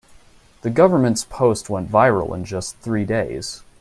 The government's post went viral in just three days.